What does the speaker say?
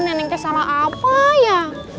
nenek teh salah apa ya